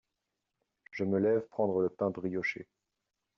Je me lève prendre le pain brioché.